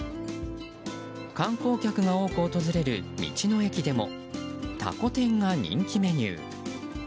観光客が多く訪れる道の駅でもたこ天が人気メニュー。